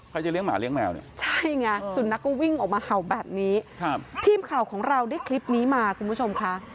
จะเลี้ยหมาเลี้ยแมวเนี่ยใช่ไงสุนัขก็วิ่งออกมาเห่าแบบนี้ครับทีมข่าวของเราได้คลิปนี้มาคุณผู้ชมค่ะ